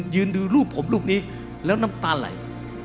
ยืนดูรูปผมรูปนี้แล้วน้ำตาไหล